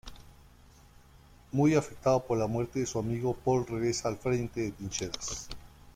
Muy afectado por la muerte de su amigo, Paul regresa al frente de trincheras.